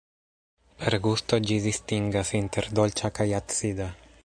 Per gusto ĝi distingas inter dolĉa kaj acida.